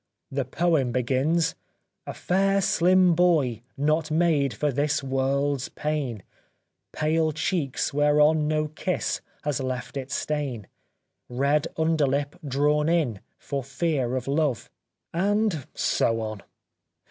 This poem begins :" A fair slim boy not made for this world's pain, Pale cheeks whereon no kiss has left its stain, Red underlip drawn in for fear of Love "— and so on.